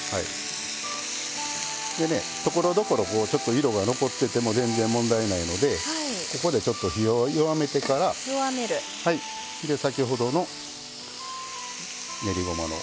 でねところどころちょっと色が残ってても全然問題ないのでここでちょっと火を弱めてから先ほどの練りごまの合わせ調味料ですね。